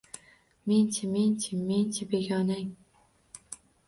Men-chi… Men-chi… Men-chi, begonang…